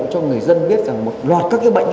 cho người dân biết rằng một loạt các cái bệnh